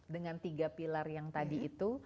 dengan tiga pilar yang tadi itu